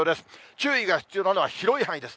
注意が必要なのは広い範囲です。